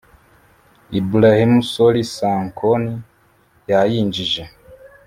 Ibrahima Sory Sankhon yayinjije